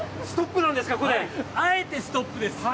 あえてストップです。